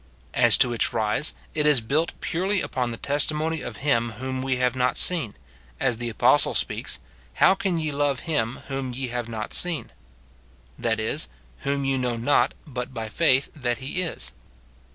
As to its rise, it is built purely upon the testimony of Him whom we have not seen : as the apostle speaks, " How can ye love him whom ye have not seen?" — that is, whom you know not but by faith that he is.